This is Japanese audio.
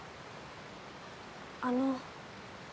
あの。